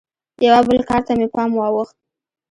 یوه بل کار ته مې پام واوښت.